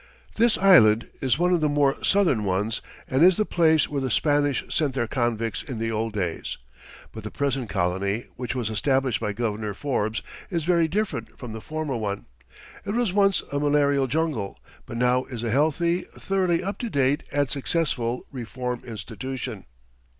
This island is one of the more southern ones, and is the place where the Spanish sent their convicts in the old days. But the present colony, which was established by Governor Forbes, is very different from the former one. It was once a malarial jungle, but now is a healthy, thoroughly up to date and successful reform institution.